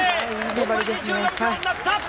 残り２４秒になった。